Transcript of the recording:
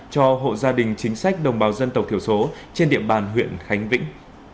cho hộ gia đình chính sách đồng bào dân tộc thiểu số trên địa bàn huyện khánh vĩnh